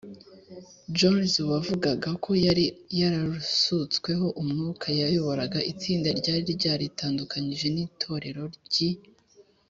Jones wavugaga ko yari yarasutsweho umwuka yayoboraga itsinda ryari ryaritandukanyije n itorero ry i